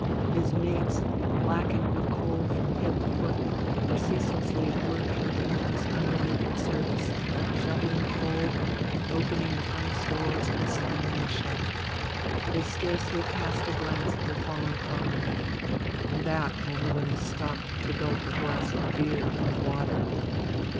His mates, blackened with coal from head to foot, were ceaselessly at work in the engine's unremitting service, shovelling coal, opening the furnace doors, and slamming them shut. They scarcely cast a glance at their fallen comrade, and that only when they stopped to gulp a glass of beer or water.